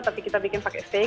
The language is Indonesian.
tapi kita bikin pakai steak